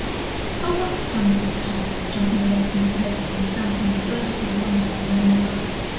"Oh, what fun!" said Tom, jumping away from the table, and stamping first with one leg and then the other.